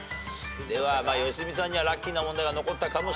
良純さんにはラッキーな問題が残ったかもしれませんね。